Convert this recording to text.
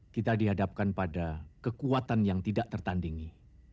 kita dihadapkan pada kekuatan yang tidak tertandingi